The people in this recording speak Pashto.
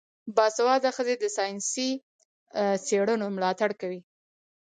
باسواده ښځې د ساینسي څیړنو ملاتړ کوي.